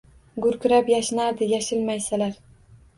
Gurkirab yashnardi yashil maysalar.